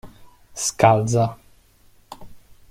Scalza.